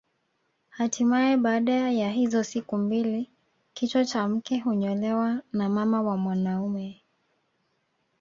Hatimae baada ya hizo siku mbili kichwa cha mke hunyolewa na mama wa mwanaume